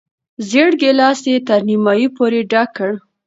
زېړ ګیلاس یې تر نیمايي پورې ډک کړ.